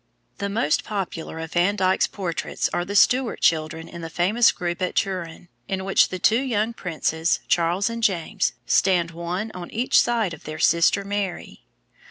] The most popular of Van Dyck's portraits of the Stuart children is the famous group at Turin, in which the two young princes, Charles and James, stand one on each side of their sister Mary.